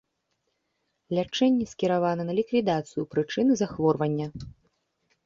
Лячэнне скіравана на ліквідацыю прычыны захворвання.